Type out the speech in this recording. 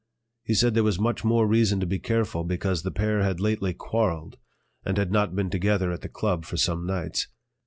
He said there was much more reason to be careful because the pair had lately quarreled and had not been together at the "Club" for some nights.